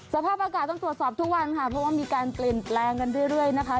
สภาพอากาศต้องตรวจสอบทุกวันค่ะเพราะว่ามีการเปลี่ยนแปลงกันเรื่อยนะคะ